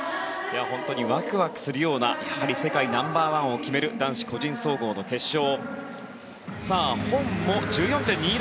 本当にわくわくするような世界ナンバーワンを決める男子個人総合の決勝。